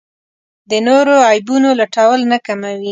د نورو عیبونو لټول نه کموي.